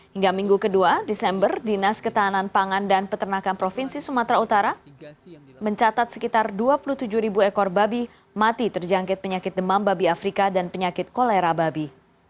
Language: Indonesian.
hingga minggu kedua desember dinas ketahanan pangan dan peternakan provinsi sumatera utara mencatat sekitar dua puluh tujuh ribu ekor babi mati terjangkit penyakit demam babi afrika dan penyakit kolera babi